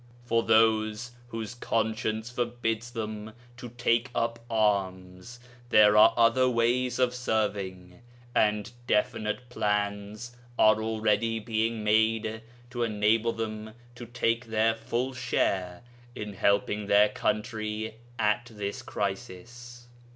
For those whose conscience forbids them to take up arms there are other ways of serving, and definite plans are already being made to enable them to take their full share in helping their country at this crisis.